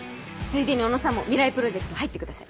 ついでに小野さんも未来プロジェクト入ってください。